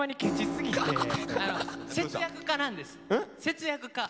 節約家なんです節約家。